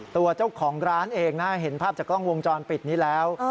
ตัวเจ้าของร้านเองนะเห็นภาพจากกล้องวงจรปิดนี้แล้ว